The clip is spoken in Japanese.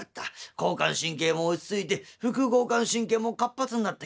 交感神経も落ち着いて副交感神経も活発になってきた。